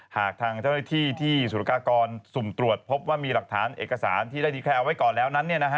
หากทางเจ้าหน้าที่ที่สุรกากรสุ่มตรวจพบว่ามีหลักฐานเอกสารที่ได้ดีแค่เอาไว้ก่อนแล้วนั้น